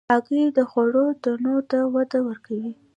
هګۍ د خوړو تنوع ته وده ورکوي.